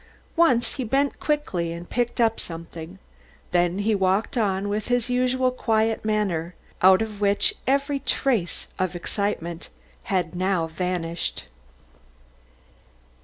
Once he bent quickly and picked up something, then he walked on with his usual quiet manner, out of which every trace of excitement had now vanished.